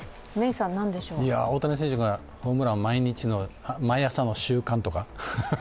大谷選手がホームラン、毎朝の習慣とか？